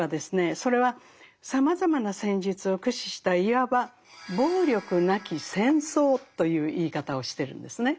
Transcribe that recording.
それはさまざまな戦術を駆使したいわば暴力なき「戦争」という言い方をしてるんですね。